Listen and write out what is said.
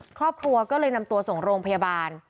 ครอบครัวก็เลยนำตัวส่งโรงพยาบาล